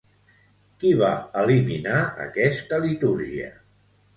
Qui va eliminar aquesta litúrgia?